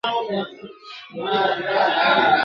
هم په اوړي هم په ژمي به ناورین وو !.